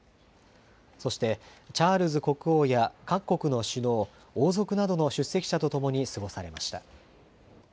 そしてチャールズ国王や各国の首脳、王族などの出席者と共に過ごされました。